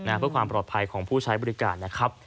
เพื่อความปลอดภัยของผู้ใช้บริการนะครับ